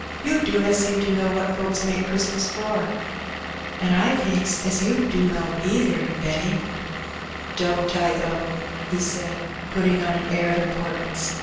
"You dunna seem to know what folks make Christmas for.'' " An' I thinks as you dunno either, Benny.'^ "Don't I, though?'' he said, putting on an air of im portance.